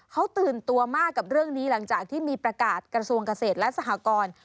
เขาตื่นตัวมากกับเรื่องนี้หลังจากที่มีประกาศกระทรวงเกษตรและสหกร